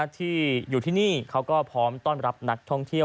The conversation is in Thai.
ที่อยู่ที่นี่เขาก็พร้อมต้อนรับนักท่องเที่ยว